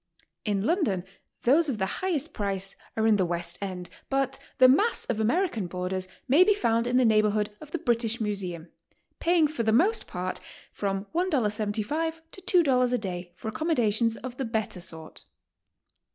In London those of the highest price are in the West End, but the mass of American boarders may be found in the neighborhood of the British Museum, paying for the most part from $1.75 to $2 a day for accommodations of the better sort.